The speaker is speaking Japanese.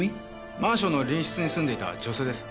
マンションの隣室に住んでいた女性です。